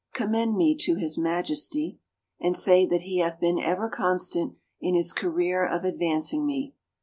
" Commend me to his Majesty and say that he hath been ever constant in his career of advancing me.